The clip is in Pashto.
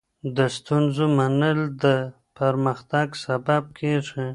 د ستونزو منل د پرمختګ سبب کېږي.